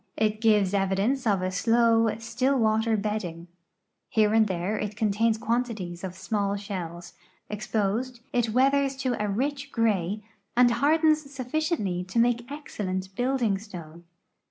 It gives evidence of a slow, still water bedding. Here and there it contains quantities of small shells ; exposed, it weathers to a rich gray and hardens suffi ciently to make excellent building stone.